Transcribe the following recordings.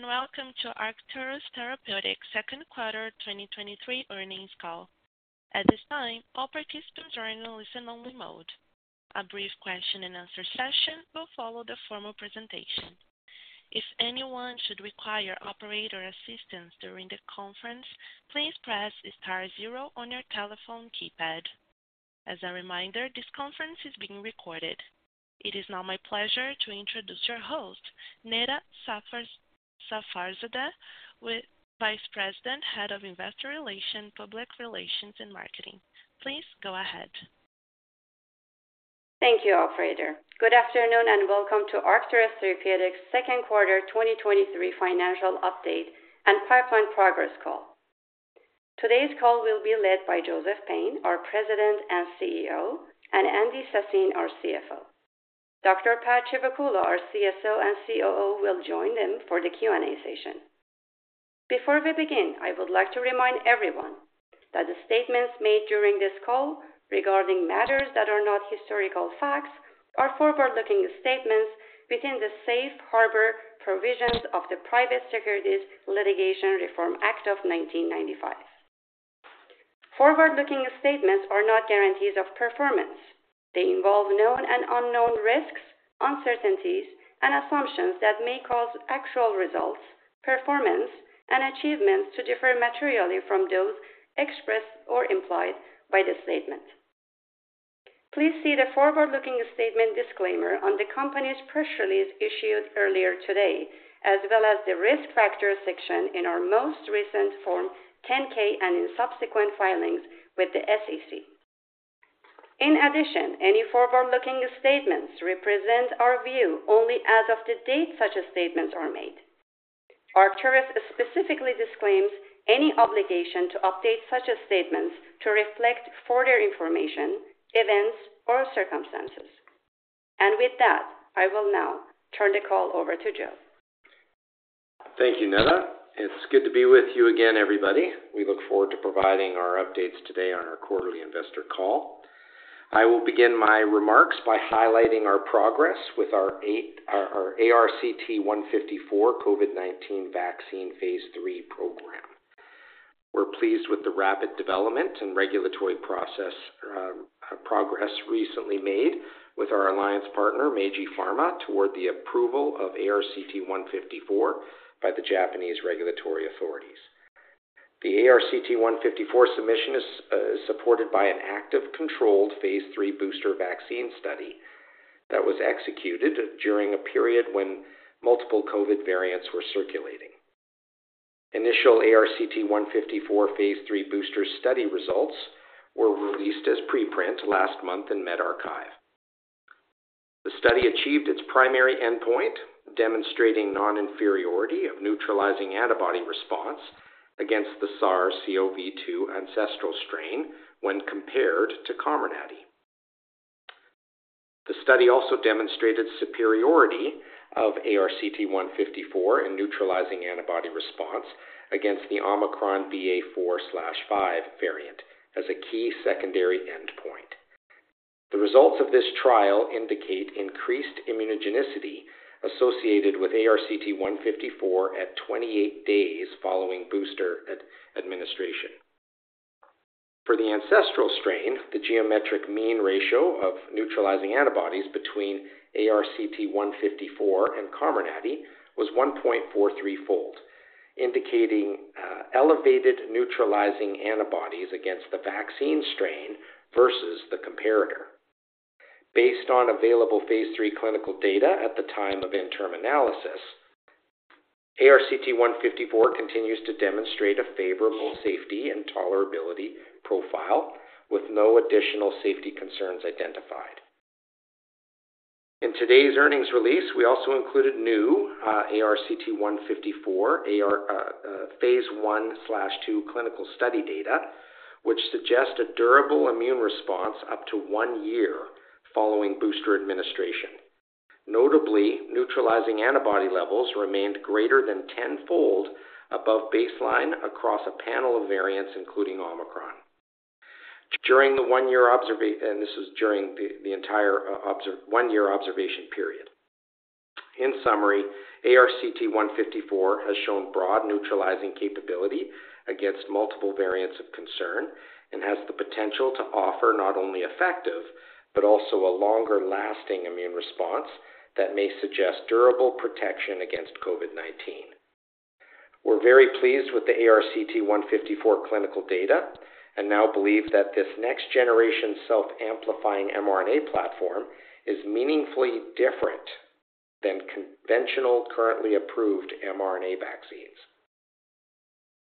And welcome to Arcturus Therapeutics' second quarter 2023 earnings call. At this time, all participants are in a listen-only mode. A brief question-and-answer session will follow the formal presentation. If anyone should require operator assistance during the conference, please press star zero on your telephone keypad. As a reminder, this conference is being recorded. It is now my pleasure to introduce your host, Neda Safarzadeh, Vice President, Head of Investor Relations, Public Relations and Marketing. Please go ahead. Thank you, operator. Good afternoon, and welcome to Arcturus Therapeutics' second quarter 2023 financial update and pipeline progress call. Today's call will be led by Joseph Payne, our President and CEO, and Andy Sassine, our CFO. Dr. Pad Chivukula, our CSO and COO, will join them for the Q&A session. Before we begin, I would like to remind everyone that the statements made during this call regarding matters that are not historical facts are forward-looking statements within the safe harbor provisions of the Private Securities Litigation Reform Act of 1995. Forward-looking statements are not guarantees of performance. They involve known and unknown risks, uncertainties, and assumptions that may cause actual results, performance, and achievements to differ materially from those expressed or implied by the statement. Please see the forward-looking statement disclaimer on the company's press release issued earlier today, as well as the risk factors section in our most recent Form 10-K and in subsequent filings with the SEC. Any forward-looking statements represent our view only as of the date such statements are made. Arcturus specifically disclaims any obligation to update such as statements to reflect further information, events, or circumstances. With that, I will now turn the call over to Joe. Thank you, Neda. It's good to be with you again, everybody. We look forward to providing our updates today on our quarterly investor call. I will begin my remarks by highlighting our progress with our ARCT-154 COVID-19 vaccine phase 3 program. We're pleased with the rapid development and regulatory process, progress recently made with our alliance partner, Meiji Pharma, toward the approval of ARCT-154 by the Japanese regulatory authorities. The ARCT-154 submission is supported by an active, controlled phase 3 booster vaccine study that was executed during a period when multiple COVID variants were circulating. Initial ARCT-154 phase 3 booster study results were released as preprint last month in medRxiv. The study achieved its primary endpoint, demonstrating non-inferiority of neutralizing antibody response against the SARS-CoV-2 ancestral strain when compared to Comirnaty. The study also demonstrated superiority of ARCT-154 in neutralizing antibody response against the Omicron BA.4/5 variant as a key secondary endpoint. The results of this trial indicate increased immunogenicity associated with ARCT-154 at 28 days following booster administration. For the ancestral strain, the geometric mean ratio of neutralizing antibodies between ARCT-154 and Comirnaty was 1.43-fold, indicating elevated neutralizing antibodies against the vaccine strain versus the comparator. Based on available phase III clinical data at the time of interim analysis, ARCT-154 continues to demonstrate a favorable safety and tolerability profile, with no additional safety concerns identified. In today's earnings release, we also included new ARCT-154 phase I/II clinical study data, which suggests a durable immune response up to 1 year following booster administration. Notably, neutralizing antibody levels remained greater than 10-fold above baseline across a panel of variants, including Omicron. During the one year observation, this was during the entire one year observation period. In summary, ARCT-154 has shown broad neutralizing capability against multiple variants of concern and has the potential to offer not only effective, but also a longer-lasting immune response that may suggest durable protection against COVID-19. We're very pleased with the ARCT-154 clinical data and now believe that this next-generation self-amplifying mRNA platform is meaningfully different than conventional, currently approved mRNA vaccines.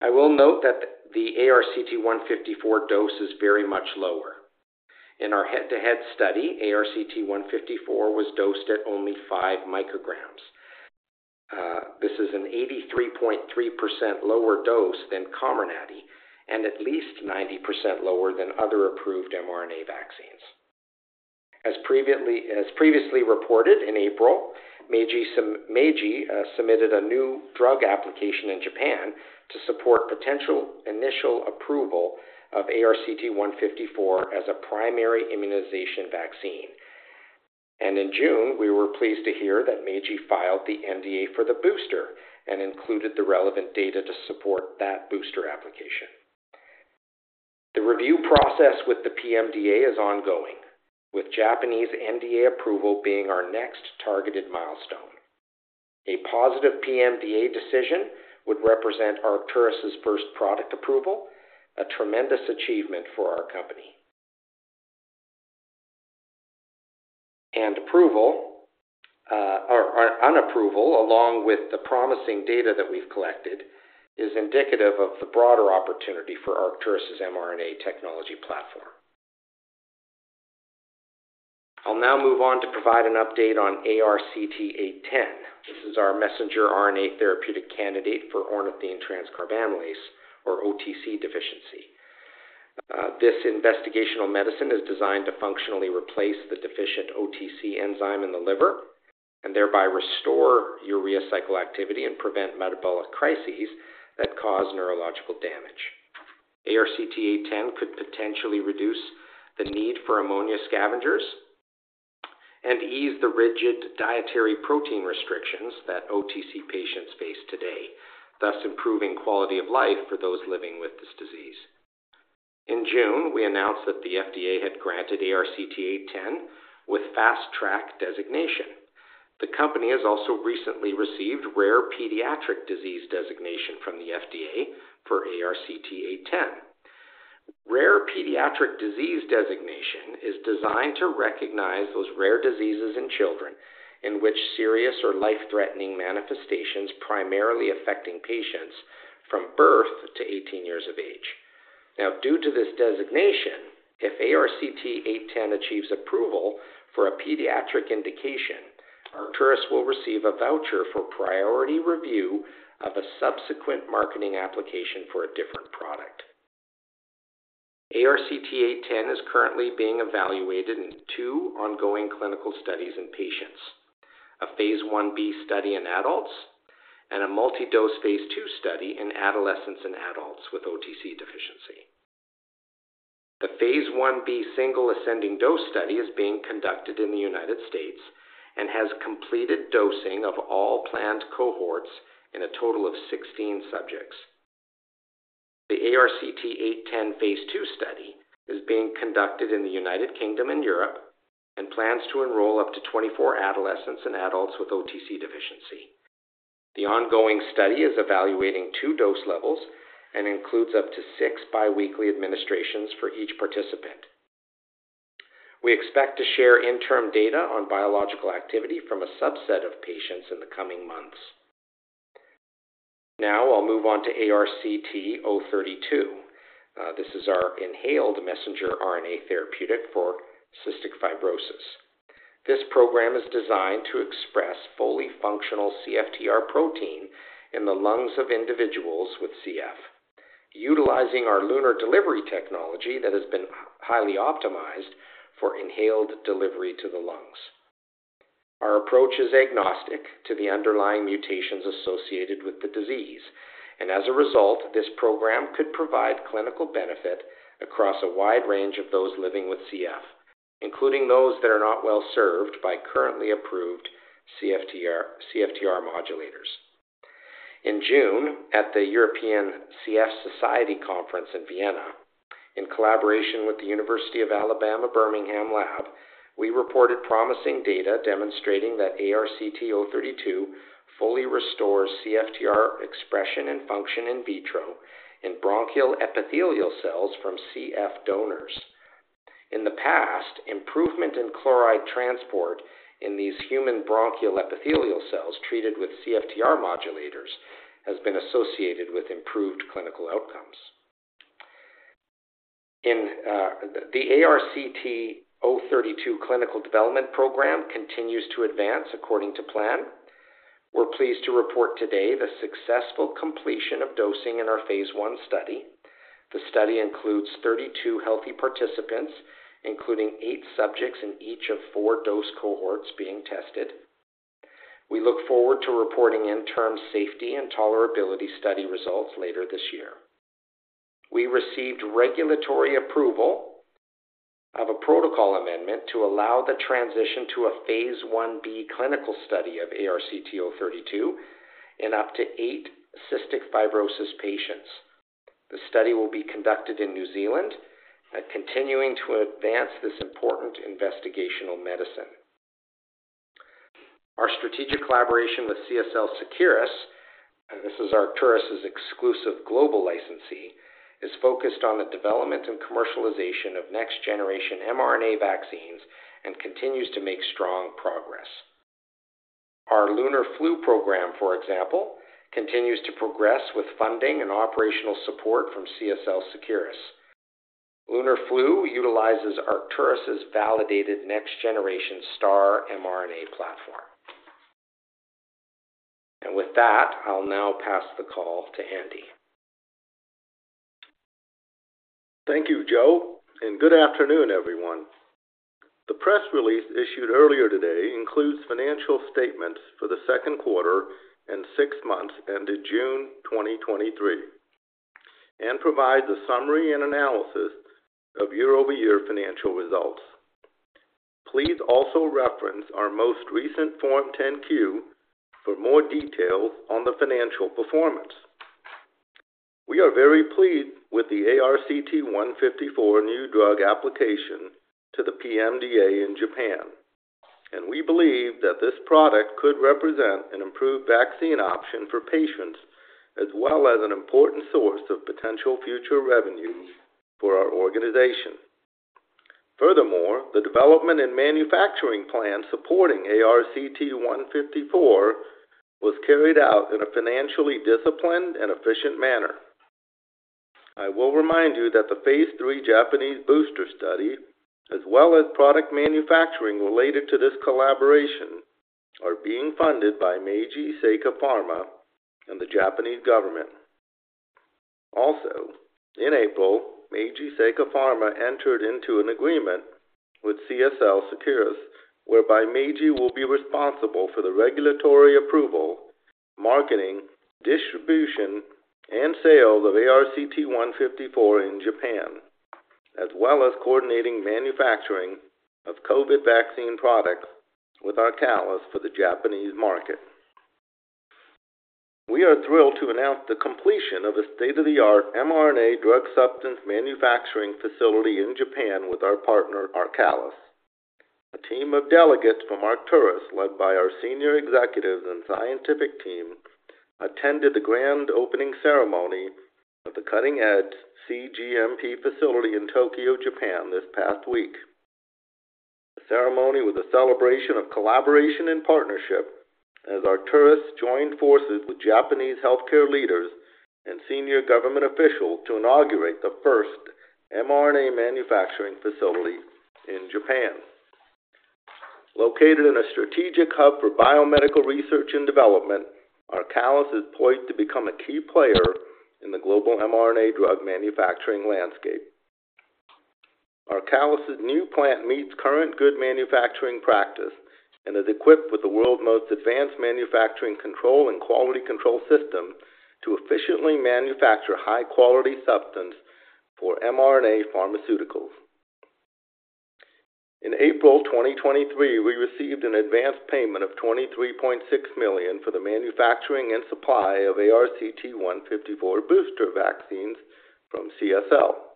I will note that the ARCT-154 dose is very much lower. In our head-to-head study, ARCT-154 was dosed at only 5 micrograms. This is an 83.3% lower dose than Comirnaty and at least 90% lower than other approved mRNA vaccines. As previously reported in April, Meiji, Meiji submitted a new drug application in Japan to support potential initial approval of ARCT-154 as a primary immunization vaccine. In June, we were pleased to hear that Meiji filed the NDA for the booster and included the relevant data to support that booster application. The review process with the PMDA is ongoing, with Japanese NDA approval being our next targeted milestone. A positive PMDA decision would represent Arcturus' first product approval, a tremendous achievement for our company. Approval, or unapproval, along with the promising data that we've collected, is indicative of the broader opportunity for Arcturus' mRNA technology platform. I'll now move on to provide an update on ARCT-810. This is our mRNA therapeutic candidate for ornithine transcarbamylase, or OTC deficiency. This investigational medicine is designed to functionally replace the deficient OTC enzyme in the liver and thereby restore urea cycle activity and prevent metabolic crises that cause neurological damage. ARCT-810 could potentially reduce the need for ammonia scavengers and ease the rigid dietary protein restrictions that OTC patients face today, thus improving quality of life for those living with this disease. In June, we announced that the FDA had granted ARCT-810 with Fast Track designation. The company has also recently received Rare Pediatric Disease Designation from the FDA for ARCT-810. Rare Pediatric Disease Designation is designed to recognize those rare diseases in children in which serious or life-threatening manifestations primarily affecting patients from birth to 18 years of age. Due to this designation, if ARCT-810 achieves approval for a pediatric indication, Arcturus will receive a voucher for priority review of a subsequent marketing application for a different product. ARCT-810 is currently being evaluated in two ongoing clinical studies in patients: a Phase I-b study in adults and a multi-dose Phase II study in adolescents and adults with OTC deficiency. The Phase I-b single ascending dose study is being conducted in the United States and has completed dosing of all planned cohorts in a total of 16 subjects. The ARCT-810 Phase II study is being conducted in the United Kingdom and Europe and plans to enroll up to 24 adolescents and adults with OTC deficiency. The ongoing study is evaluating two dose levels and includes up to six biweekly administrations for each participant. We expect to share interim data on biological activity from a subset of patients in the coming months. Now I'll move on to ARCT-032. This is our inhaled messenger RNA therapeutic for cystic fibrosis. This program is designed to express fully functional CFTR protein in the lungs of individuals with CF, utilizing our LUNAR delivery technology that has been highly optimized for inhaled delivery to the lungs. Our approach is agnostic to the underlying mutations associated with the disease, and as a result, this program could provide clinical benefit across a wide range of those living with CF, including those that are not well served by currently approved CFTR, CFTR modulators. In June, at the European Cystic Fibrosis Conference in Vienna, in collaboration with the University of Alabama at Birmingham, we reported promising data demonstrating that ARCT-032 fully restores CFTR expression and function in vitro in bronchial epithelial cells from CF donors. In the past, improvement in chloride transport in these human bronchial epithelial cells treated with CFTR modulators has been associated with improved clinical outcomes. The ARCT-032 clinical development program continues to advance according to plan. We're pleased to report today the successful completion of dosing in our phase I study. The study includes 32 healthy participants, including eight subjects in each of four dose cohorts being tested. We look forward to reporting interim safety and tolerability study results later this year. We received regulatory approval of a protocol amendment to allow the transition to a phase I-b clinical study of ARCT-032 in up to eight cystic fibrosis patients. The study will be conducted in New Zealand and continuing to advance this important investigational medicine. Our strategic collaboration with CSL Seqirus, and this is Arcturus' exclusive global licensee, is focused on the development and commercialization of next-generation mRNA vaccines and continues to make strong progress. Our LUNAR-FLU program, for example, continues to progress with funding and operational support from CSL Seqirus. LUNAR-FLU utilizes Arcturus' validated next-generation STARR mRNA platform. With that, I'll now pass the call to Andy. Thank you, Joe. Good afternoon, everyone. The press release issued earlier today includes financial statements for the second quarter and six months ended June 2023, and provides a summary and analysis of year-over-year financial results. Please also reference our most recent Form 10-Q for more details on the financial performance. We are very pleased with the ARCT-154 new drug application to the PMDA in Japan, and we believe that this product could represent an improved vaccine option for patients, as well as an important source of potential future revenue for our organization. Furthermore, the development and manufacturing plan supporting ARCT-154 was carried out in a financially disciplined and efficient manner. I will remind you that the phase 3 Japanese booster study, as well as product manufacturing related to this collaboration, are being funded by Meiji Seika Pharma and the Japanese government. In April, Meiji Seika Pharma entered into an agreement with CSL Seqirus, whereby Meiji will be responsible for the regulatory approval, marketing, distribution, and sales of ARCT-154 in Japan, as well as coordinating manufacturing of COVID-19 vaccine products with ARCALIS for the Japanese market. We are thrilled to announce the completion of a state-of-the-art mRNA drug substance manufacturing facility in Japan with our partner, ARCALIS. A team of delegates from Arcturus, led by our senior executives and scientific team, attended the grand opening ceremony of the cutting-edge cGMP facility in Tokyo, Japan, this past week. The ceremony was a celebration of collaboration and partnership as Arcturus joined forces with Japanese healthcare leaders and senior government officials to inaugurate the first mRNA manufacturing facility in Japan. Located in a strategic hub for biomedical research and development, ARCALIS is poised to become a key player in the global mRNA drug manufacturing landscape. ARCALIS' new plant meets current good manufacturing practice and is equipped with the world's most advanced manufacturing control and quality control system to efficiently manufacture high-quality substance for mRNA pharmaceuticals. In April 2023, we received an advanced payment of $23.6 million for the manufacturing and supply of ARCT-154 booster vaccines from CSL.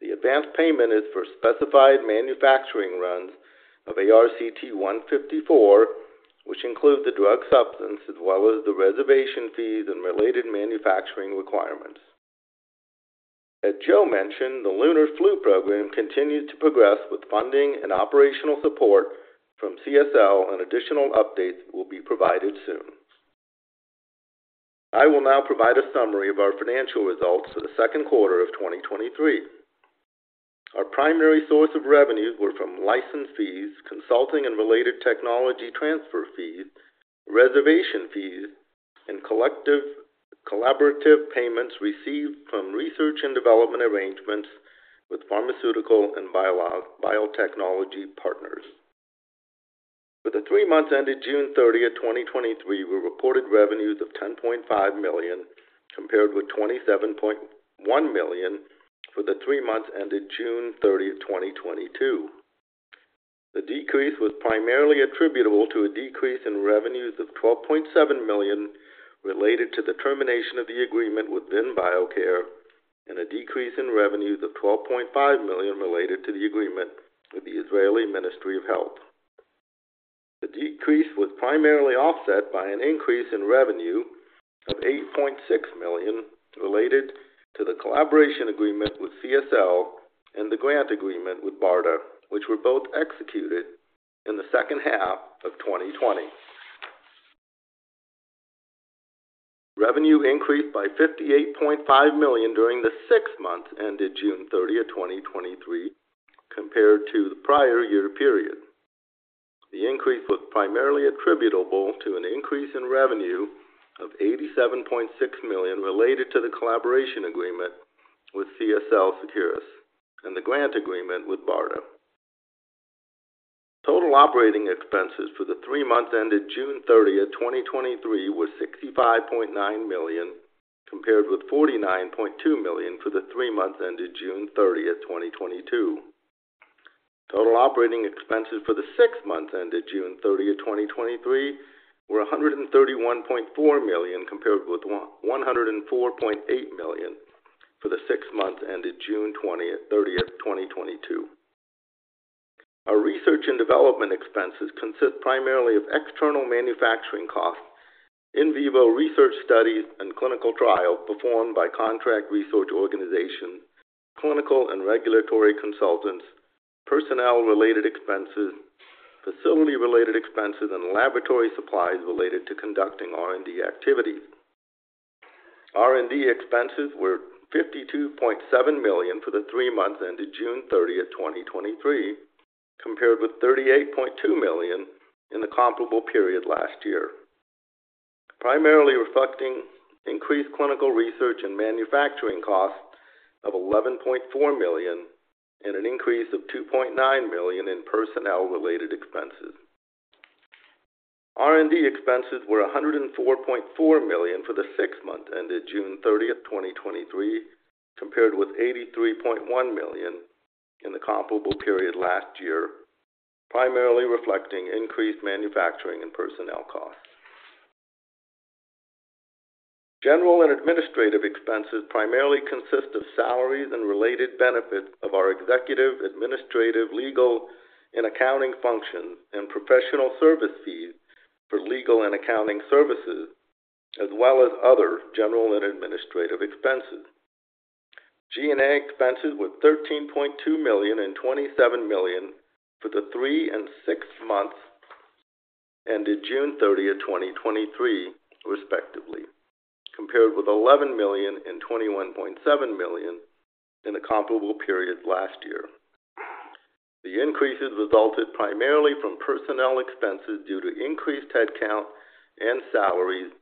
The advanced payment is for specified manufacturing runs of ARCT-154, which include the drug substance as well as the reservation fees and related manufacturing requirements. As Joe mentioned, the LUNAR-FLU program continued to progress with funding and operational support from CSL. Additional updates will be provided soon. I will now provide a summary of our financial results for the second quarter of 2023. Our primary source of revenues were from license fees, consulting and related technology transfer fees, reservation fees, and collaborative payments received from research and development arrangements with pharmaceutical and biotechnology partners. For the three months ended June 30th, 2023, we reported revenues of $10.5 million, compared with $27.1 million for the three months ended June 30th, 2022. The decrease was primarily attributable to a decrease in revenues of $12.7 million related to the termination of the agreement with VinBioare, and a decrease in revenues of $12.5 million related to the agreement with the Israeli Ministry of Health. The decrease was primarily offset by an increase in revenue of $8.6 million related to the collaboration agreement with CSL and the grant agreement with BARDA, which were both executed in the second half of 2020. Revenue increased by $58.5 million during the six months ended June 30, 2023, compared to the prior year period. The increase was primarily attributable to an increase in revenue of $87.6 million related to the collaboration agreement with CSL Seqirus and the grant agreement with BARDA. Total operating expenses for the three months ended June 30, 2023, were $65.9 million, compared with $49.2 million for the three months ended June 30, 2022. Total operating expenses for the six months ended June 30, 2023, were $131.4 million, compared with $104.8 million for the six months ended June 30, 2022. Our research and development expenses consist primarily of external manufacturing costs, in vivo research studies, and clinical trials performed by contract research organizations, clinical and regulatory consultants, personnel-related expenses, facility-related expenses, and laboratory supplies related to conducting R&D activities. R&D expenses were $52.7 million for the three months ended June 30th, 2023, compared with $38.2 million in the comparable period last year, primarily reflecting increased clinical research and manufacturing costs of $11.4 million, and an increase of $2.9 million in personnel related expenses. R&D expenses were $104.4 million for the six months ended June 30th, 2023, compared with $83.1 million in the comparable period last year, primarily reflecting increased manufacturing and personnel costs. General and administrative expenses primarily consist of salaries and related benefits of our executive, administrative, legal, and accounting functions, and professional service fees for legal and accounting services, as well as other general and administrative expenses. G&A expenses were $13.2 million and $27 million for the three and six months ended June 30th, 2023, respectively, compared with $11 million and $21.7 million in the comparable periods last year. The increases resulted primarily from personnel expenses due to increased headcount and salaries,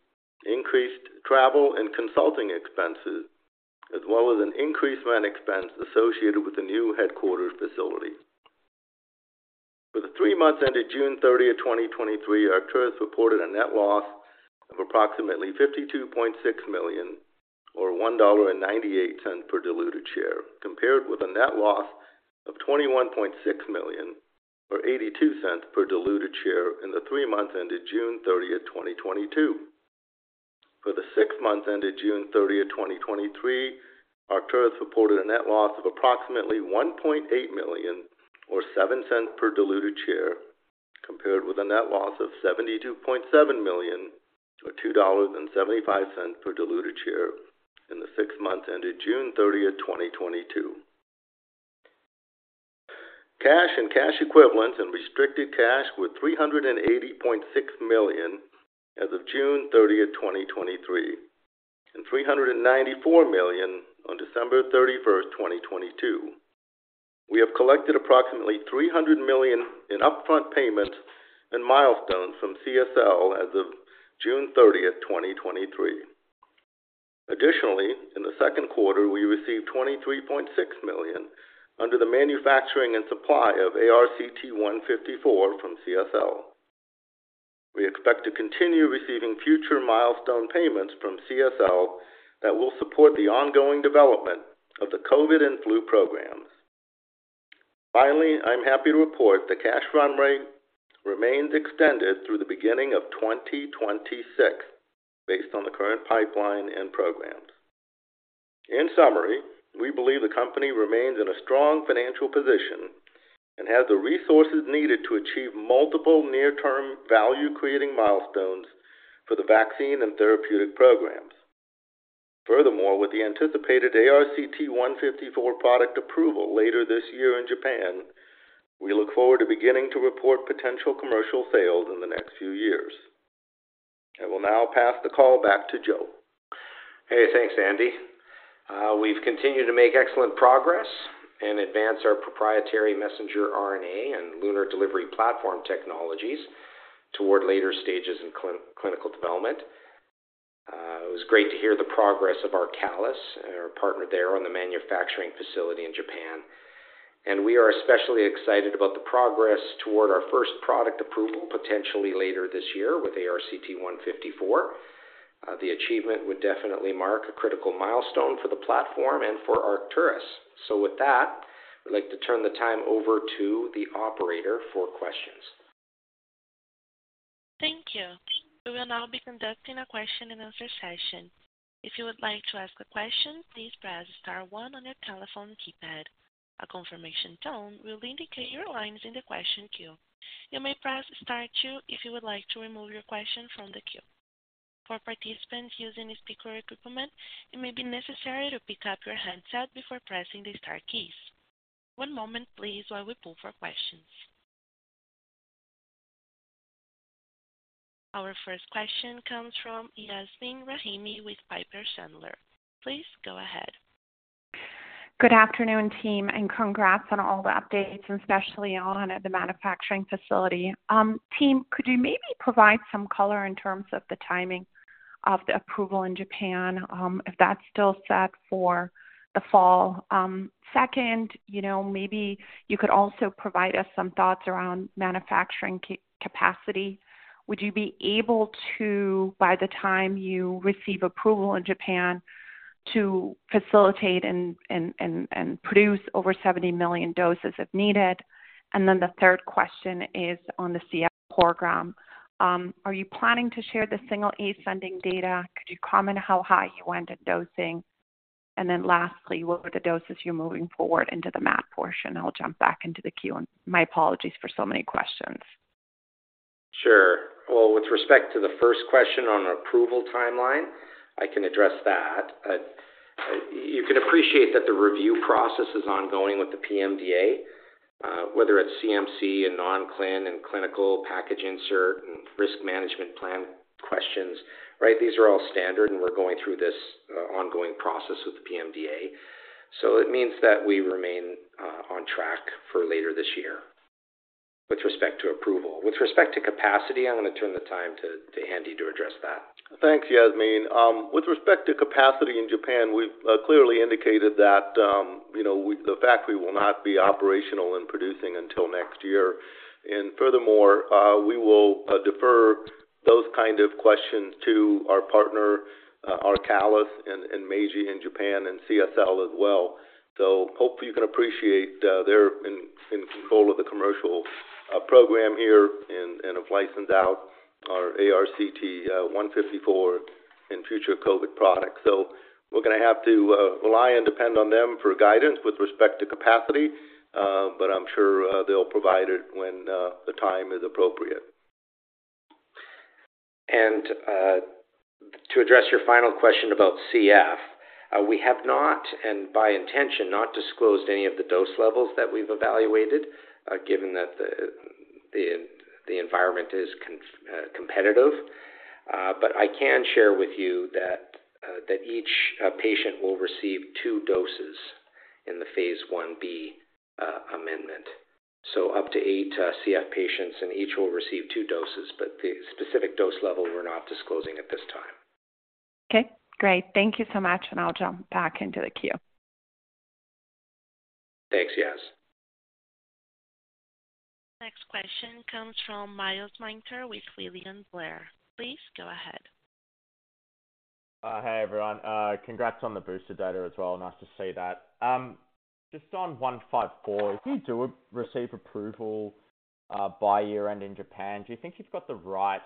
increased travel and consulting expenses, as well as an increase in rent expense associated with the new headquarters facility. For the three months ended June 30th, 2023, Arcturus reported a net loss of approximately $52.6 million, or $1.98 per diluted share, compared with a net loss of $21.6 million, or $0.82 per diluted share in the three months ended June 30th, 2022. For the six months ended June 30th, 2023, Arcturus reported a net loss of approximately $1.8 million, or $0.07 per diluted share, compared with a net loss of $72.7 million, or $2.75 per diluted share in the six months ended June 30th, 2022. Cash and cash equivalents and restricted cash were $380.6 million as of June 30th, 2023, and $394 million on December 31st, 2022. We have collected approximately $300 million in upfront payments and milestones from CSL as of June 30, 2023. Additionally, in the second quarter, we received $23.6 million under the manufacturing and supply of ARCT-154 from CSL. We expect to continue receiving future milestone payments from CSL that will support the ongoing development of the COVID and flu programs. Finally, I'm happy to report the cash run rate remains extended through the beginning of 2026, based on the current pipeline and programs. In summary, we believe the company remains in a strong financial position and has the resources needed to achieve multiple near-term, value-creating milestones for the vaccine and therapeutic programs. Furthermore, with the anticipated ARCT-154 product approval later this year in Japan, we look forward to beginning to report potential commercial sales in the next few years. I will now pass the call back to Joe. Hey, thanks, Andy. We've continued to make excellent progress and advance our proprietary messenger RNA and LUNAR delivery platform technologies toward later stages in clinical development. It was great to hear the progress of ARCALIS and our partner there on the manufacturing facility in Japan. We are especially excited about the progress toward our first product approval, potentially later this year with ARCT-154. The achievement would definitely mark a critical milestone for the platform and for Arcturus. With that, I'd like to turn the time over to the operator for questions. Thank you. We will now be conducting a question and answer session. If you would like to ask a question, please press star one on your telephone keypad. A confirmation tone will indicate your line is in the question queue. You may press star two if you would like to remove your question from the queue. For participants using a speaker equipment, it may be necessary to pick up your handset before pressing the star keys. One moment, please, while we pull for questions. Our first question comes from Yasmeen Rahimi with Piper Sandler. Please go ahead. Good afternoon, team, and congrats on all the updates, especially on the manufacturing facility. Team, could you maybe provide some color in terms of the timing of the approval in Japan, if that's still set for the fall? Second, you know, maybe you could also provide us some thoughts around manufacturing capacity. Would you be able to, by the time you receive approval in Japan, to facilitate and, and, and, and produce over 70 million doses if needed? The third question is on the CF program. Are you planning to share the single ascending dose data? Could you comment on how high you ended dosing? Lastly, what are the doses you're moving forward into the MAD portion? I'll jump back into the queue, and my apologies for so many questions. Sure. Well, with respect to the first question on approval timeline, I can address that. You can appreciate that the review process is ongoing with the PMDA, whether it's CMC and non-clinical and clinical package insert and risk management plan questions, right? These are all standard, we're going through this ongoing process with the PMDA. It means that we remain on track for later this year with respect to approval. With respect to capacity, I'm going to turn the time to Andy to address that. Thanks, Yasmeen. With respect to capacity in Japan, we've clearly indicated that, you know, the factory will not be operational and producing until next year. Furthermore, we will defer those kind of questions to our partner, ARCALIS and Meiji in Japan and CSL as well. Hopefully you can appreciate, they're in control of the commercial program here and have licensed out our ARCT-154 and future COVID products. We're gonna have to rely and depend on them for guidance with respect to capacity, but I'm sure, they'll provide it when the time is appropriate. To address your final question about CF, we have not, and by intention, not disclosed any of the dose levels that we've evaluated, given that the environment is competitive. I can share with you that each patient will receive two doses in the phase 1b amendment. Up to eight CF patients, and each will receive two doses, the specific dose level, we're not disclosing at this time. Okay, great. Thank you so much. I'll jump back into the queue. Thanks, Yas. Next question comes from Myles Minter with William Blair. Please go ahead. Hey, everyone. Congrats on the booster data as well. Nice to see that. Just on 154, if you do receive approval, by year-end in Japan, do you think you've got the right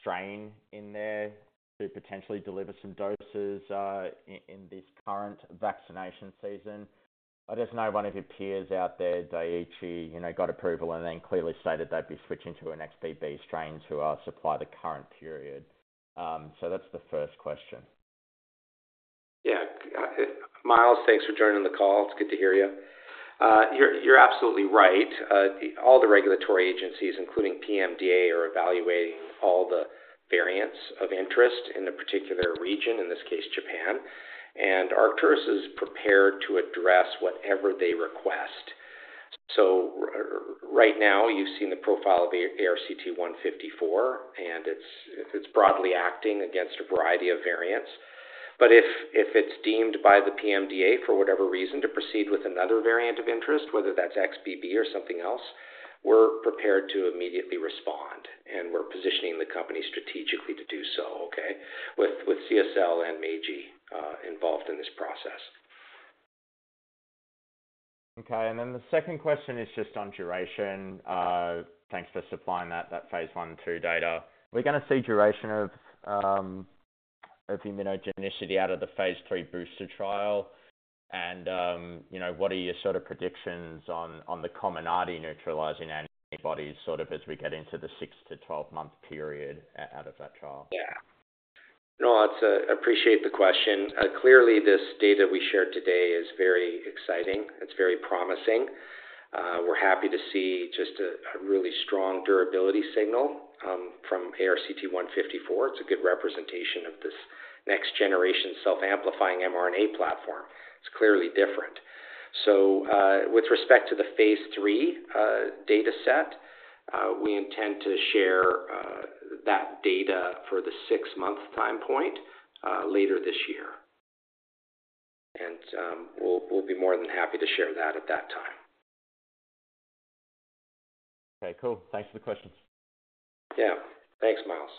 strain in there to potentially deliver some doses, in, in this current vaccination season? I just know one of your peers out there, Daiichi, you know, got approval and then clearly stated they'd be switching to an XBB strain to supply the current period. That's the first question. Yeah, Myles, thanks for joining the call. It's good to hear you. You're, you're absolutely right. All the regulatory agencies, including PMDA, are evaluating all the variants of interest in the particular region, in this case, Japan, and Arcturus is prepared to address whatever they request. Right now, you've seen the profile of ARCT-154, and it's, it's broadly acting against a variety of variants. If, if it's deemed by the PMDA, for whatever reason, to proceed with another variant of interest, whether that's XBB or something else, we're prepared to immediately respond, and we're positioning the company strategically to do so, okay, with, with CSL and Meiji involved in this process. Okay, the second question is just on duration. Thanks for supplying that, that phase 1 and 2 data. We're gonna see duration of immunogenicity out of the phase 3 booster trial. You know, what are your sort of predictions on, on the Comirnaty neutralizing antibodies, sort of as we get into the six-12 month period out of that trial? Yeah. No, it's, appreciate the question. Clearly, this data we shared today is very exciting. It's very promising. We're happy to see just a, a really strong durability signal from ARCT-154. It's a good representation of this next generation self-amplifying mRNA platform. It's clearly different. With respect to the phase 3 data set, we intend to share that data for the six-month time point later this year. We'll, we'll be more than happy to share that at that time. Okay, cool. Thanks for the questions. Yeah. Thanks, Myles.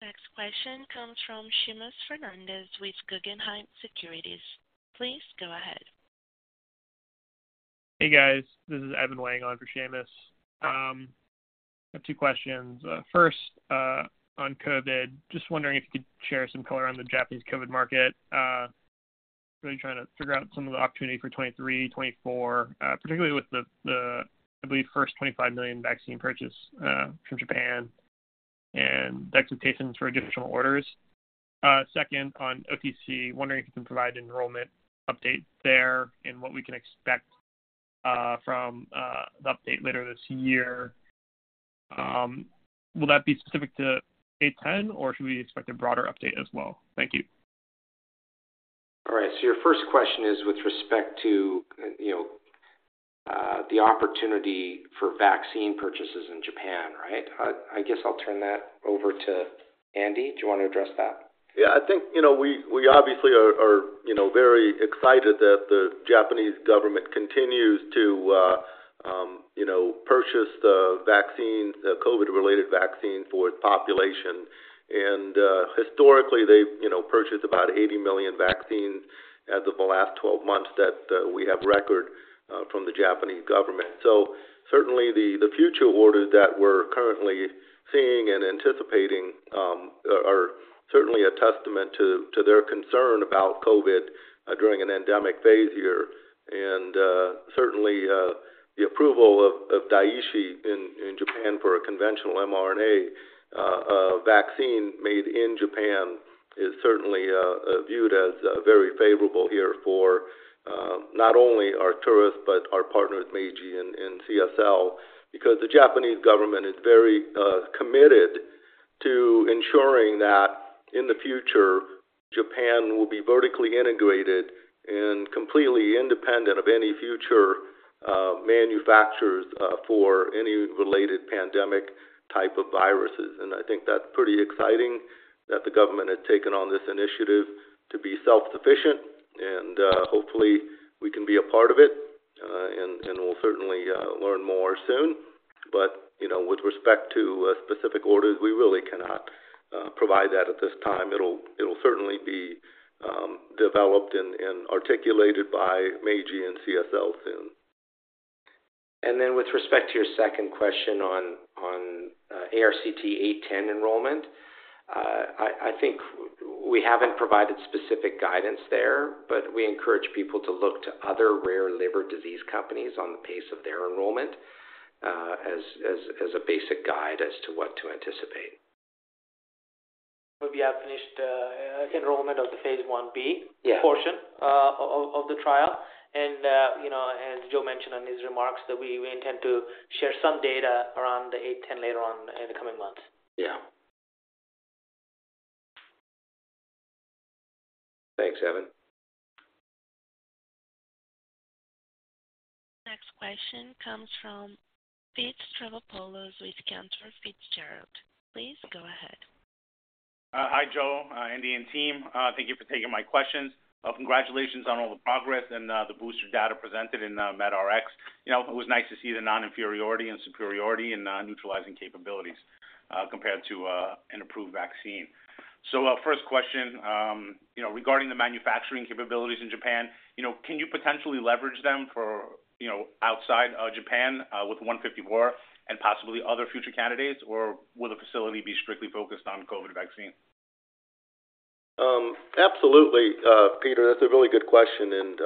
Next question comes from Seamus Fernandez with Guggenheim Securities. Please go ahead. Hey, guys. This is Evan Wang on for Seamus. I have two questions. First, on COVID. Just wondering if you could share some color on the Japanese COVID market. Really trying to figure out some of the opportunity for 2023, 2024, particularly with the, the, I believe, first 25 million vaccine purchase from Japan and the expectations for additional orders. Second, on OTC, wondering if you can provide an enrollment update there and what we can expect from the update later this year. Will that be specific to ARCT-810, or should we expect a broader update as well? Thank you. All right, your first question is with respect to, you know, the opportunity for vaccine purchases in Japan, right? I guess I'll turn that over to Andy. Do you want to address that? Yeah, I think, you know, we, we obviously are, are, you know, very excited that the Japanese government continues to, you know, purchase the vaccine, the COVID-related vaccine for its population. Historically, they've, you know, purchased about 80 million vaccines as of the last 12 months that we have record from the Japanese government. Certainly, the future orders that we're currently seeing and anticipating, are certainly a testament to their concern about COVID during an endemic phase here. Certainly, the approval of Daiichi in Japan for a conventional mRNA vaccine made in Japan is certainly viewed as very favorable here for not only Arcturus, but our partners, Meiji and CSL, because the Japanese government is very committed. that in the future, Japan will be vertically integrated and completely independent of any future manufacturers for any related pandemic type of viruses. I think that's pretty exciting that the government has taken on this initiative to be self-sufficient, and, hopefully we can be a part of it, and, and we'll certainly, learn more soon. You know, with respect to, specific orders, we really cannot, provide that at this time. It'll, it'll certainly be, developed and, and articulated by Meiji and CSL soon. Then with respect to your second question on, on ARCT-810 enrollment, I think we haven't provided specific guidance there, but we encourage people to look to other rare liver disease companies on the pace of their enrollment, as a basic guide as to what to anticipate. We have finished, enrollment of the phase 1b- Yeah. portion, of, of the trial. You know, as Joe mentioned on his remarks, that we, we intend to share some data around the 810 later on in the coming months. Yeah. Thanks, Evan. Next question comes from Pete Stavropoulos with Cantor Fitzgerald. Please go ahead. Hi, Joe, Andy, and team. Thank you for taking my questions. Congratulations on all the progress and the booster data presented in medRxiv. You know, it was nice to see the non-inferiority and superiority in non-neutralizing capabilities compared to an approved vaccine. First question, you know, regarding the manufacturing capabilities in Japan, you know, can you potentially leverage them for, you know, outside Japan with 154 and possibly other future candidates, or will the facility be strictly focused on COVID vaccine? Absolutely, Pete, that's a really good question, and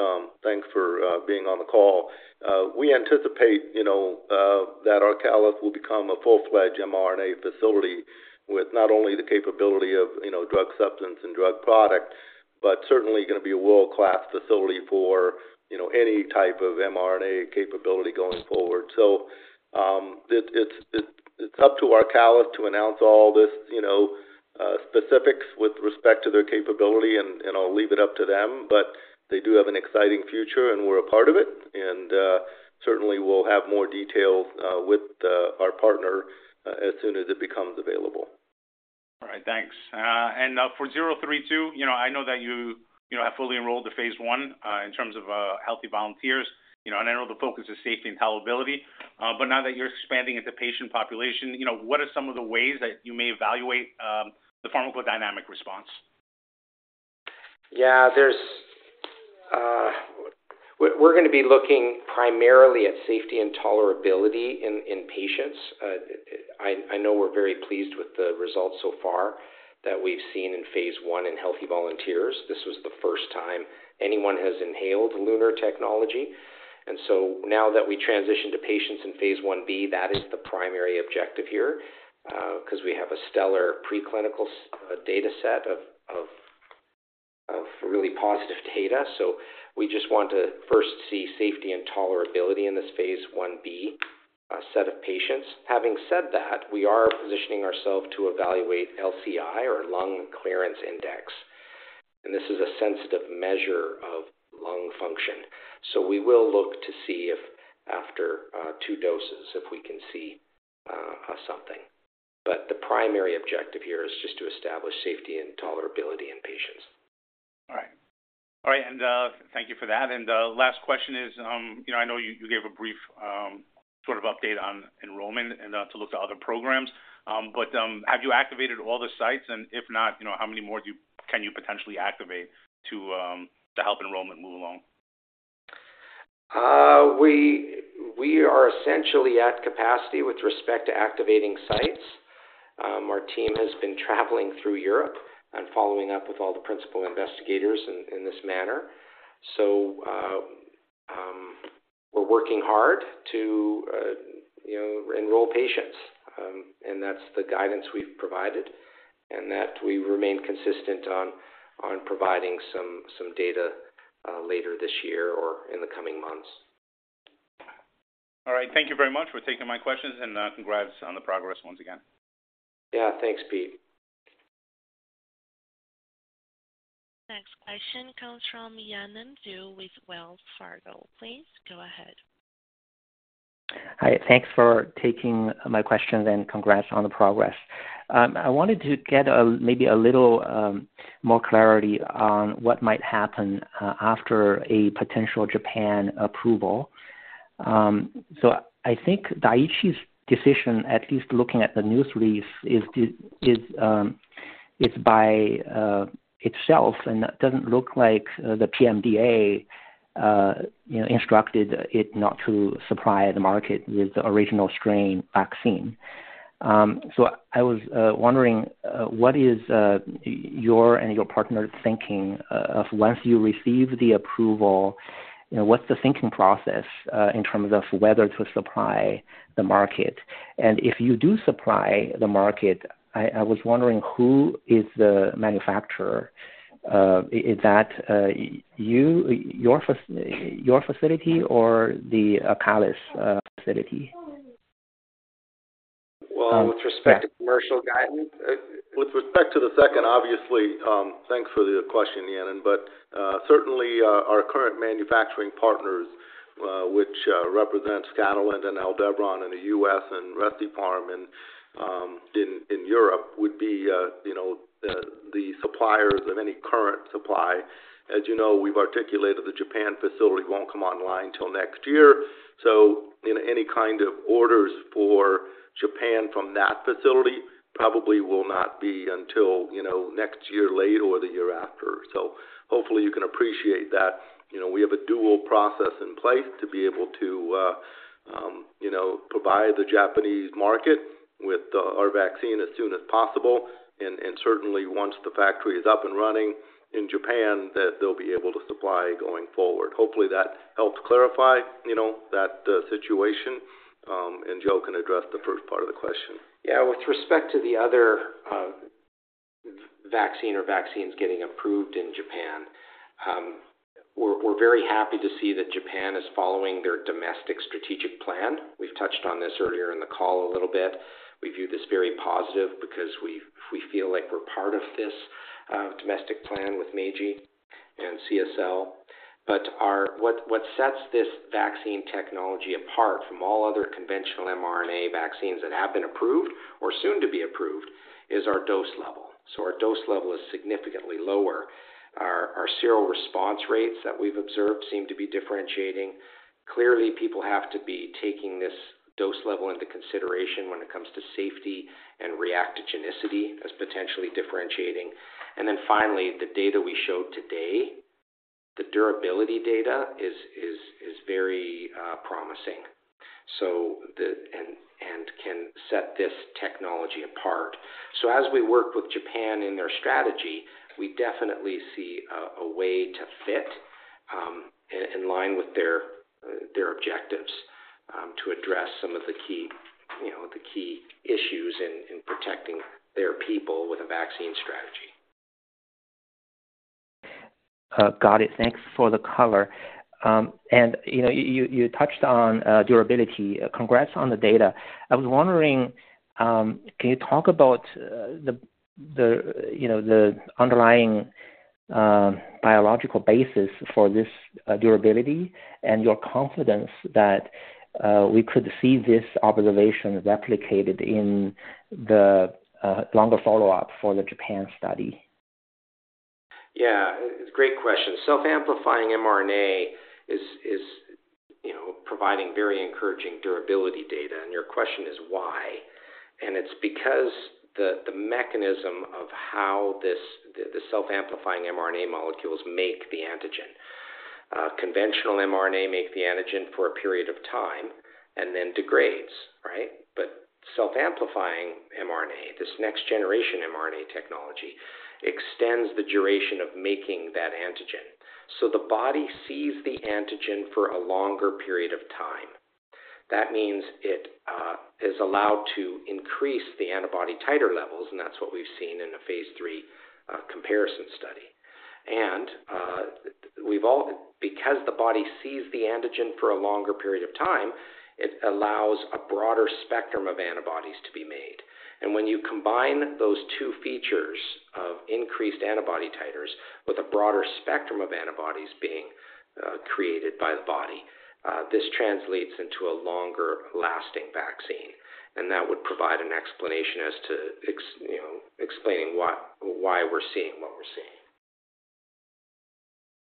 thanks for being on the call. We anticipate, you know, that ARCALIS will become a full-fledged mRNA facility with not only the capability of, you know, drug substance and drug product, but certainly going to be a world-class facility for, you know, any type of mRNA capability going forward. It's up to ARCALIS to announce all this, you know, specifics with respect to their capability, and I'll leave it up to them, but they do have an exciting future, and we're a part of it. Certainly, we'll have more details with our partner as soon as it becomes available. All right, thanks. For ARCT-032, you know, I know that you, you know, have fully enrolled the phase 1, in terms of healthy volunteers, you know, and I know the focus is safety and tolerability. Now that you're expanding into patient population, you know, what are some of the ways that you may evaluate the pharmacodynamic response? Yeah, there's. We're gonna be looking primarily at safety and tolerability in patients. I know we're very pleased with the results so far that we've seen in phase 1 in healthy volunteers. This was the first time anyone has inhaled LUNAR technology, and so now that we transition to patients in phase 1b, that is the primary objective here because we have a stellar preclinical data set of really positive data. We just want to first see safety and tolerability in this phase 1b set of patients. Having said that, we are positioning ourselves to evaluate LCI or lung clearance index, and this is a sensitive measure of lung function. We will look to see if after two doses if we can see something. The primary objective here is just to establish safety and tolerability in patients. All right. All right, thank you for that. Last question is, you know, I know you, you gave a brief sort of update on enrollment and to look to other programs. Have you activated all the sites? If not, you know, how many more can you potentially activate to help enrollment move along? We, we are essentially at capacity with respect to activating sites. Our team has been traveling through Europe and following up with all the principal investigators in, in this manner. We're working hard to, you know, enroll patients, and that's the guidance we've provided, and that we remain consistent on, on providing some, some data later this year or in the coming months. All right. Thank you very much for taking my questions, and, congrats on the progress once again. Yeah, thanks, Pete. Next question comes from Yanan Zhu with Wells Fargo. Please go ahead. Hi. Thanks for taking my questions, and congrats on the progress. I wanted to get maybe a little more clarity on what might happen after a potential Japan approval. I think Daiichi's decision, at least looking at the news release, is by itself, and that doesn't look like the PMDA, you know, instructed it not to supply the market with the original strain vaccine. I was wondering what is your and your partner thinking of once you receive the approval, you know, what's the thinking process in terms of whether to supply the market? If you do supply the market, I, I was wondering, who is the manufacturer? Is that you, your facility or the ARCALIS facility? Well, with respect to commercial guidance, with respect to the second, obviously, thanks for the question, Ian, but certainly, our current manufacturing partners, which represent Catalent and Aldevron in the U.S. and Recipharm in Europe, would be, you know, the suppliers of any current supply. As you know, we've articulated the Japan facility won't come online till next year, so any kind of orders for Japan from that facility probably will not be until, you know, next year late or the year after. Hopefully you can appreciate that. You know, we have a dual process in place to be able to, you know, provide the Japanese market with our vaccine as soon as possible, and certainly once the factory is up and running in Japan, that they'll be able to supply going forward. Hopefully, that helps clarify, you know, that situation, and Joe can address the first part of the question. Yeah. With respect to the other vaccine or vaccines getting approved in Japan, we're very happy to see that Japan is following their domestic strategic plan. We've touched on this earlier in the call a little bit. We view this very positive because we feel like we're part of this domestic plan with Meiji and CSL. What sets this vaccine technology apart from all other conventional mRNA vaccines that have been approved or soon to be approved, is our dose level. Our dose level is significantly lower. Our serial response rates that we've observed seem to be differentiating. Clearly, people have to be taking this dose level into consideration when it comes to safety and reactogenicity as potentially differentiating. Finally, the data we showed today, the durability data is very promising, and can set this technology apart. As we work with Japan in their strategy, we definitely see a way to fit in line with their objectives to address some of the key, you know, the key issues in protecting their people with a vaccine strategy. Got it. Thanks for the color. You know, you, you touched on durability. Congrats on the data. I was wondering, can you talk about the, the, you know, the underlying biological basis for this durability and your confidence that we could see this observation replicated in the longer follow-up for the Japan study? Yeah, great question. Self-amplifying mRNA is, you know, providing very encouraging durability data, your question is why. It's because the, the mechanism of how this, the self-amplifying mRNA molecules make the antigen. Conventional mRNA make the antigen for a period of time and then degrades, right? Self-amplifying mRNA, this next generation mRNA technology, extends the duration of making that antigen, so the body sees the antigen for a longer period of time. That means it is allowed to increase the antibody titer levels, and that's what we've seen in the phase 3 comparison study. Because the body sees the antigen for a longer period of time, it allows a broader spectrum of antibodies to be made. When you combine those two features of increased antibody titers with a broader spectrum of antibodies being created by the body, this translates into a longer-lasting vaccine, and that would provide an explanation as to you know, explaining why, why we're seeing what we're seeing.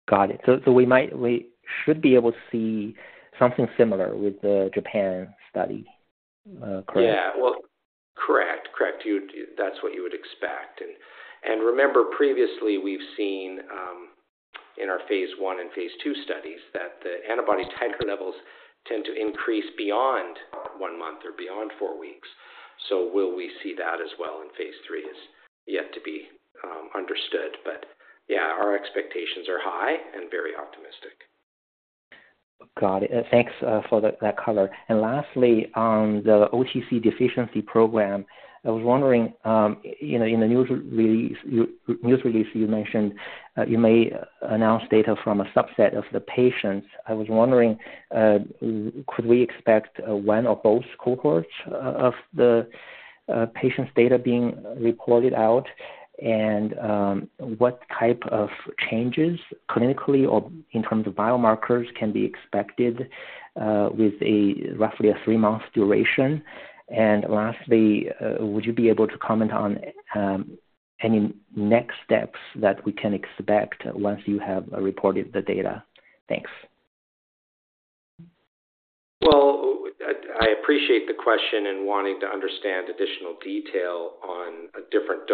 Got it. We should be able to see something similar with the Japan study, correct? Yeah. Well, correct, correct. You'd, that's what you would expect. Remember previously we've seen in our phase one and phase two studies, that the antibody titer levels tend to increase beyond one month or beyond four weeks. Will we see that as well in phase three is yet to be understood, but yeah, our expectations are high and very optimistic. Got it. Thanks for that, that color. Lastly, on the OTC deficiency program, I was wondering, you know, in the news release, you mentioned you may announce data from a subset of the patients. I was wondering, could we expect 1 or both cohorts of the patients' data being reported out? What type of changes, clinically or in terms of biomarkers, can be expected with a roughly a three-month duration? Lastly, would you be able to comment on any next steps that we can expect once you have reported the data? Thanks. I, I appreciate the question and wanting to understand additional detail on different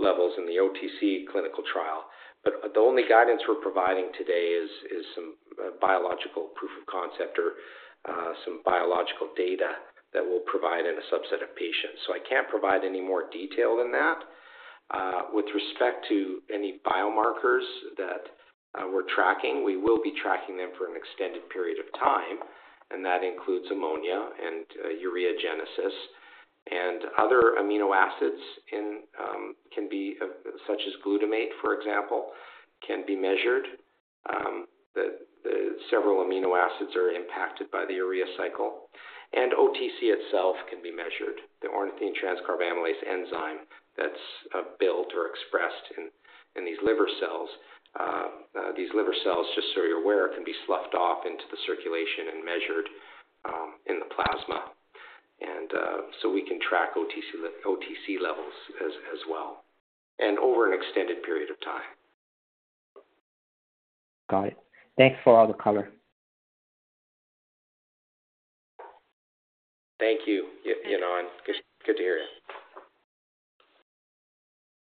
dose levels in the OTC clinical trial, but the only guidance we're providing today is, is some biological proof of concept or, some biological data that we'll provide in a subset of patients. I can't provide any more detail than that. With respect to any biomarkers that, we're tracking, we will be tracking them for an extended period of time, and that includes ammonia and ureagenesis. And other amino acids in, can be, such as glutamate, for example, can be measured. The, the several amino acids are impacted by the urea cycle, and OTC itself can be measured. The ornithine transcarbamylase enzyme that's built or expressed in, in these liver cells, these liver cells, just so you're aware, can be sloughed off into the circulation and measured in the plasma. So we can track OTC, OTC levels as, as well, and over an extended period of time. Got it. Thanks for all the color. Thank you, Yanan. Good, good to hear it.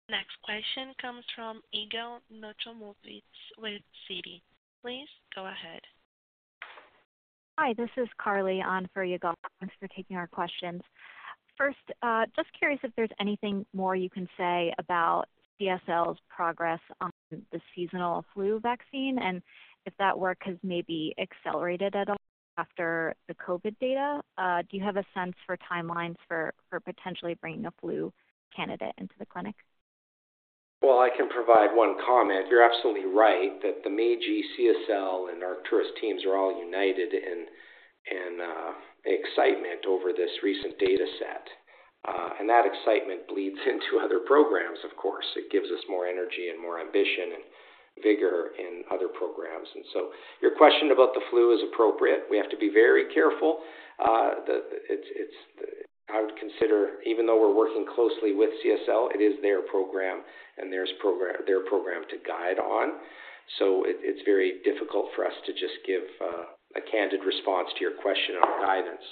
Next question comes from Yigal Nochomovitz with Citi. Please go ahead. Hi, this is Carly on for Yigal. Thanks for taking our questions. First, just curious if there's anything more you can say about CSL's progress on the gseasonal flu vaccine, and if that work has maybe accelerated at all after the COVID data. Do you have a sense for timelines for, for potentially bringing a flu candidate into the clinic? Well, I can provide one comment. You're absolutely right that the Meiji CSL and Arcturus teams are all united in excitement over this recent data set. That excitement bleeds into other programs, of course. It gives us more energy and more ambition and vigor in other programs, and so your question about the flu is appropriate. We have to be very careful. It's I would consider, even though we're working closely with CSL, it is their program, and their program to guide on. It's very difficult for us to just give a candid response to your question on our guidance.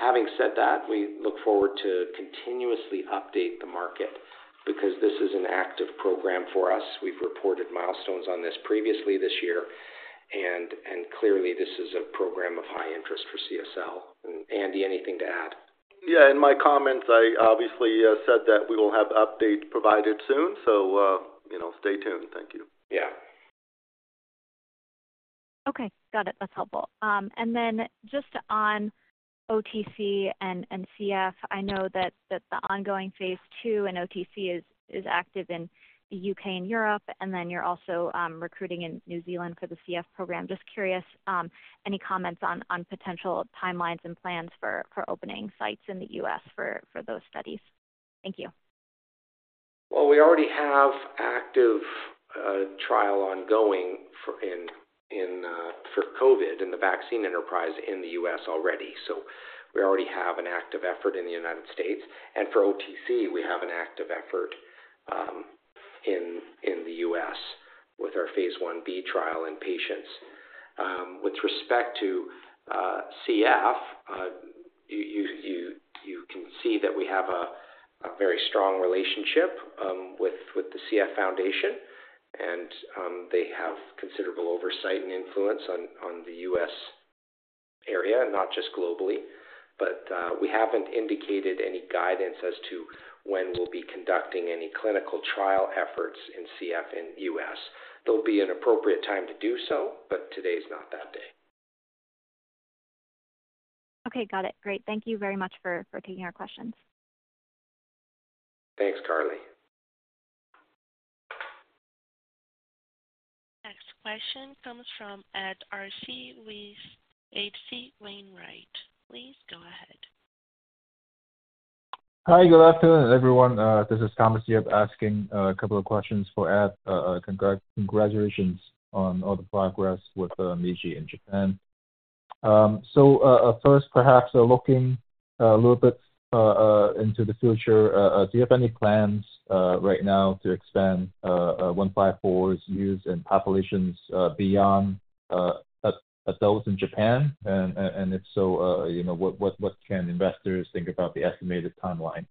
Having said that, we look forward to continuously update the market because this is an active program for us. We've reported milestones on this previously this year, and, and clearly this is a program of high interest for CSL. Andy, anything to add? Yeah, in my comments, I obviously said that we will have updates provided soon, so, you know, stay tuned. Thank you. Yeah. Okay. Got it. That's helpful. Just on OTC and, and CF, I know that, that the ongoing phase II and OTC is, is active in the U.K. and Europe, and then you're also recruiting in New Zealand for the CF program. Just curious, any comments on, on potential timelines and plans for, for opening sites in the U.S. for, for those studies? Thank you. We already have active trial ongoing for COVID in the vaccine enterprise in the U.S. already. We already have an active effort in the United States. For OTC, we have an active effort in the US with our phase Ib trial in patients. With respect to CF, you can see that we have a very strong relationship with the CF Foundation. They have considerable oversight and influence on the U.S. area, not just globally. We haven't indicated any guidance as to when we'll be conducting any clinical trial efforts in CF in the U.S.. There'll be an appropriate time to do so. Today is not that day. Okay, got it. Great. Thank you very much for, for taking our questions. Thanks, Carly. Next question comes from Ed Arce with H.C. Wainwright & Co. Please go ahead. Hi, good afternoon, everyone. This is Thomas Yip asking a couple of questions for Ed. Congratulations on all the progress with Meiji in Japan. So, first, perhaps, looking a little bit into the future, do you have any plans right now to expand 154's use in populations beyond adults in Japan? If so, you know, what, what, what can investors think about the estimated timeline?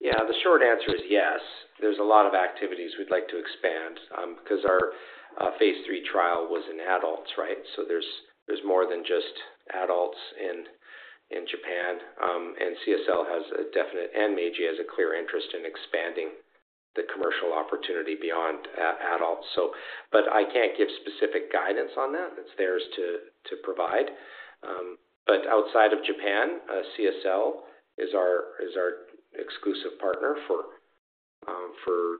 Yeah, the short answer is yes. There's a lot of activities we'd like to expand, because our phase III trial was in adults, right? There's, there's more than just adults in, in Japan, and CSL has a definite, and Meiji has a clear interest in expanding the commercial opportunity beyond adults, so. I can't give specific guidance on that. It's theirs to, to provide. Outside of Japan, CSL is our, is our exclusive partner for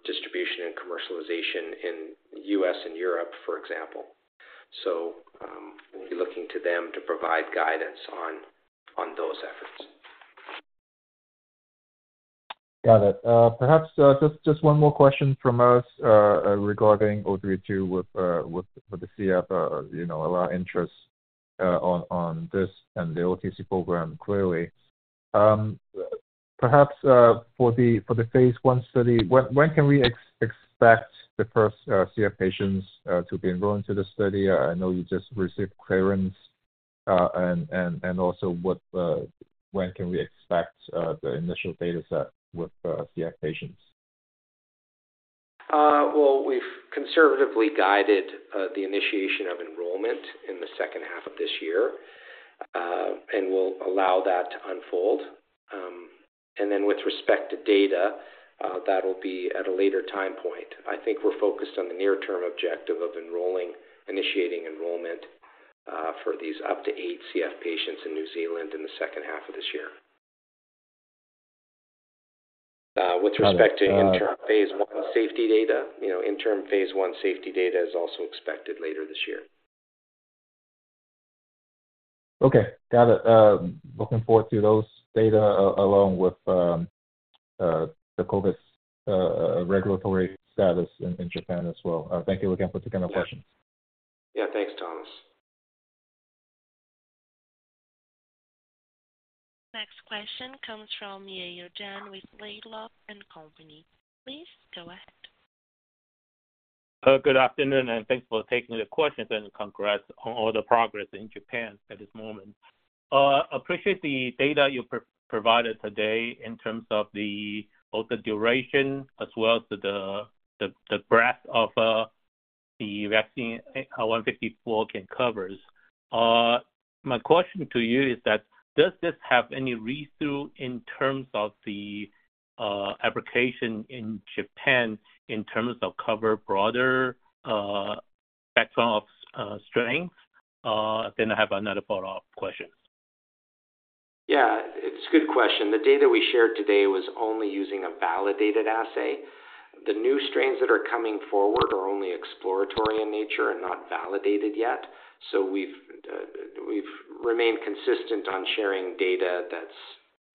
distribution and commercialization in U.S. and Europe, for example. We'll be looking to them to provide guidance on, on those efforts. Got it. Perhaps, just, just one more question from us, regarding ARCT-032 with, with, with the CF. You know, a lot of interest, on, on this and the OTC program, clearly. Perhaps, for the, for the Phase I study, when, when can we expect the first, CF patients, to be enrolled into the study? I know you just received clearance. Also, what... When can we expect the initial data set with, CF patients? Well, we've conservatively guided the initiation of enrollment in the second half of this year, and we'll allow that to unfold. With respect to data, that will be at a later time point. I think we're focused on the near-term objective of enrolling, initiating enrollment for these up to eight CF patients in New Zealand in the second half of this year. With respect to interim phase I safety data, you know, interim phase I safety data is also expected later this year. Okay, got it. Looking forward to those data along with the COVID's regulatory status in Japan as well. Thank you again for taking our questions. Yeah. Thanks, Thomas. Next question comes from Yale Jen with Laidlaw & Company. Please go ahead. Good afternoon, thanks for taking the questions, and congrats on all the progress in Japan at this moment. Appreciate the data you provided today in terms of the, both the duration as well as the breadth of the vaccine ARCT-154 can covers. My question to you is that, does this have any read-through in terms of the application in Japan, in terms of cover broader background of strength? I have another follow-up question. Yeah, it's a good question. The data we shared today was only using a validated assay. The new strains that are coming forward are only exploratory in nature and not validated yet. We've remained consistent on sharing data that's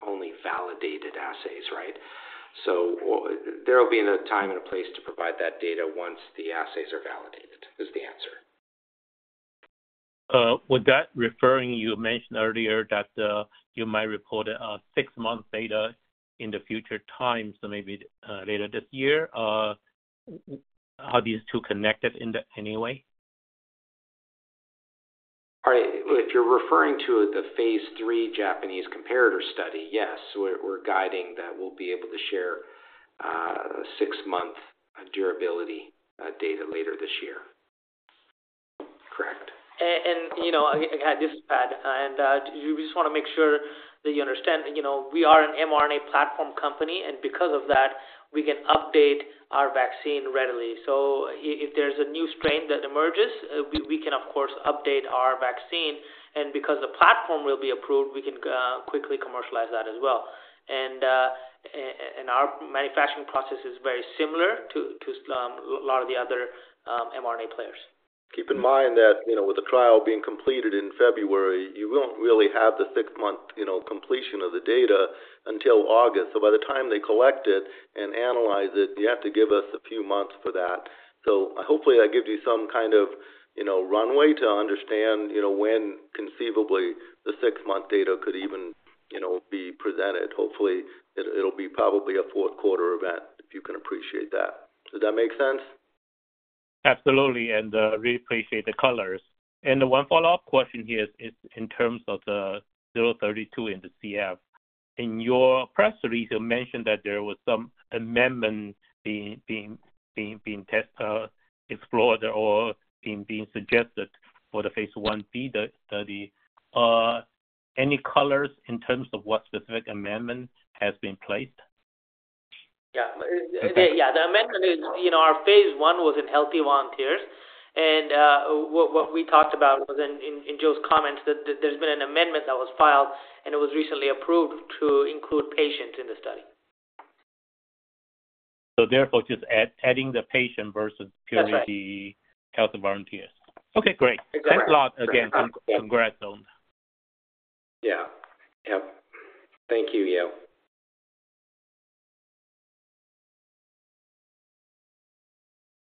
only validated assays, right? There will be a time and a place to provide that data once the assays are validated, is the answer. Would that referring, you mentioned earlier that, you might report a 6-month data in the future times, so maybe, later this year. Are these two connected in any way? All right. If you're referring to the phase 3 Japanese comparator study, yes, we're, we're guiding that we'll be able to share 6-month durability data later this year. Correct. You know, this is Pad. We just want to make sure that you understand, you know, we are an mRNA platform company. Because of that, we can update our vaccine readily. If there's a new strain that emerges, we, we can, of course, update our vaccine. Because the platform will be approved, we can quickly commercialize that as well. Our manufacturing process is very similar to, to a lot of the other mRNA players. Keep in mind that, you know, with the trial being completed in February, you won't really have the six-month, you know, completion of the data until August. By the time they collect it and analyze it, you have to give us a few months for that. Hopefully, that gives you some kind of, you know, runway to understand, you know, when conceivably the six-month data could even, you know, be presented. Hopefully, it, it'll be probably a fourth quarter event, if you can appreciate that. Does that make sense? Absolutely, and really appreciate the colors. The one follow-up question here is in terms of ARCT-032 in the CF. In your press release, you mentioned that there was some amendment being explored or being suggested for the phase 1b study. Any colors in terms of what specific amendment has been placed? Yeah. The amendment is, you know, our phase one was in healthy volunteers, and what we talked about was in Joe's comments, that there's been an amendment that was filed, and it was recently approved to include patients in the study. Therefore, just adding the patient versus. That's right. purely the health volunteers. Okay, great. Correct. Thanks a lot, again. Congrats on. Yeah. Yep. Thank you, Yeu.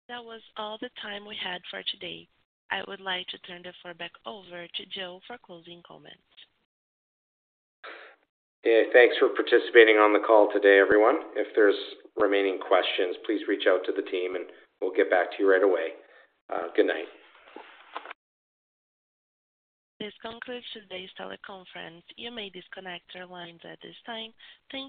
That was all the time we had for today. I would like to turn the floor back over to Joe for closing comments. Yeah, thanks for participating on the call today, everyone. If there's remaining questions, please reach out to the team, and we'll get back to you right away. Good night. This concludes today's teleconference. You may disconnect your lines at this time. Thank you.